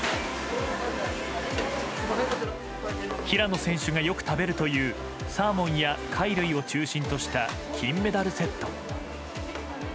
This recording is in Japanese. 平野選手がよく食べるというサーモンや貝類を中心とした金メダルセット。